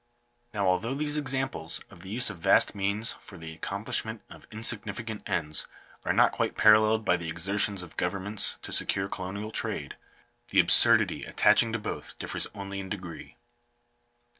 Now, although these ex amples of the use of vast means for the accomplishment of insig nificant ends are not quite paralleled by the exertions of govern ments to secure colonial trade, the absurdity attaching to both differs only in degree.